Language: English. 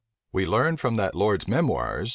We learn from that lord's Memoirs, (p.